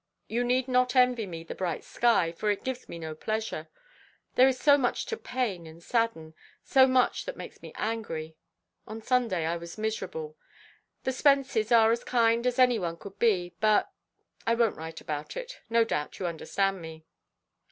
You need not envy me the bright sky, for it gives me no pleasure. There is so much to pain and sadden; so much that makes me angry. On Sunday I was miserable. The Spences are as kind as any one could be, but I won't write about it; no doubt you understand me.